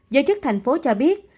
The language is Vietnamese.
giới chức thành phố cho biết